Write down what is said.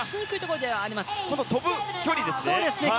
飛ぶ距離ですね。